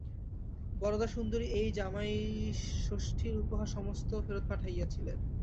বরদাসুন্দরী এই জামাইষষ্ঠীর উপহার সমস্ত ফেরত পাঠাইয়াছিলেন।